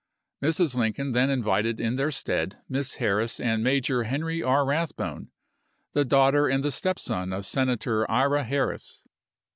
Mrs. Lincoln then invited in their stead Miss Harris and Major Henry R. Eathbone, the daughter and the stepson of Senator Ira Harris.